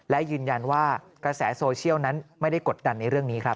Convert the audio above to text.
และยืนยันว่ากระแสโซเชียลนั้นไม่ได้กดดันในเรื่องนี้ครับ